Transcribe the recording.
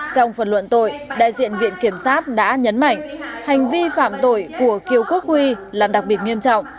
trong phần luận tội đại diện viện kiểm sát đã nhấn mạnh hành vi phạm tội của kiều quốc huy là đặc biệt nghiêm trọng